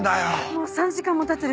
もう３時間もたってる。